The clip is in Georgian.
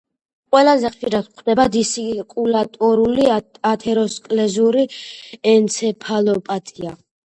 ყველაზე ხშირად გვხვდება დისცირკულატორული ათეროსკლეროზული ენცეფალოპათია.